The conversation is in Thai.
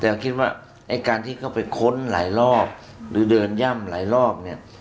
แต่คิดว่าไอ้การที่เข้าไปค้นหลายรอบหรือเดินย่ำหลายรอบเนี่ย